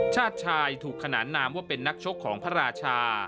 ชาติชายถูกขนานนามว่าเป็นนักชกของพระราชา